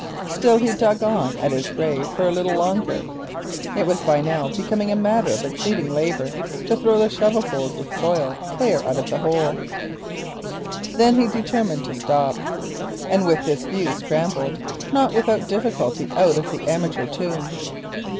Still he dug on at the grave for a little longer. It was by now becoming a matter of exceeding labour to throw the shovelfuls of soil clear of the hole. Then he determined to stop, and with this view scrambled, not without difficulty, out of the amateur tomb.